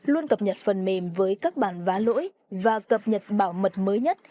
luôn cập nhật phần mềm với các bản vá lỗi và cập nhật bảo mật mới nhất